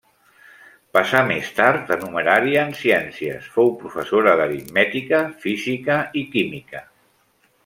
Passà més tard a numerària en Ciències, fou professora d’aritmètica, física i química.